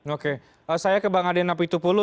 oke saya ke bang adian napi tupulu